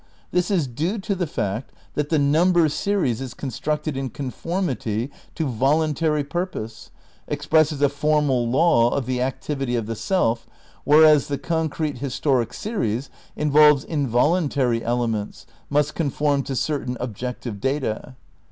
This is due to the fact that the number series is constructed in conformity to voluntary purpose, expresses a formal law of the activity of the self, whereas the concrete historic series involves involuntary elements, must conform to certain objective data.